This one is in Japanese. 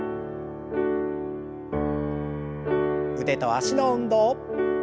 腕と脚の運動。